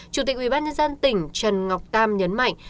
chủ tịch ubnd tỉnh trần ngọc tam nhấn mạnh